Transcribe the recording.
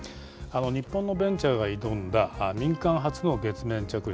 日本のベンチャーが挑んだ民間初の月面着陸。